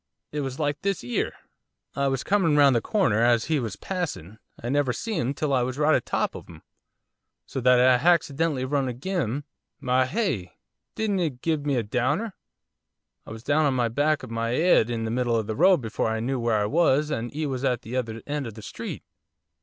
… It was like this, 'ere. I was comin' round the corner, as he was passin', I never see 'im till I was right atop of 'im, so that I haccidentally run agin 'im, my heye! didn't 'e give me a downer! I was down on the back of my 'ead in the middle of the road before I knew where I was and 'e was at the other end of the street.